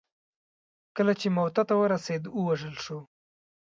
کله چې موته ته ورسېد ووژل شو.